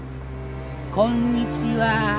こんにちは。